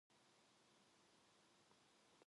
토르인지 토어인지 그거 유료냐.